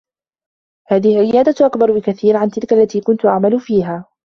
هذه العيادة أكبر بكثير عن تلك التي كنت أعمل فيها.